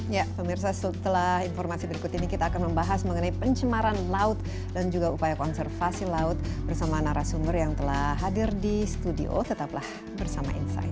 ya pemirsa setelah informasi berikut ini kita akan membahas mengenai pencemaran laut dan juga upaya konservasi laut bersama narasumber yang telah hadir di studio tetaplah bersama insight